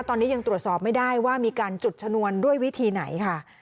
ตอนนี้ยังตรวจสอบไม่ได้ว่ามีการจุดชนวนด้วยวิธีไหนค่ะ